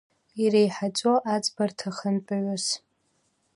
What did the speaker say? Иреиҳаӡоу аӡбарҭа ахантәаҩыс…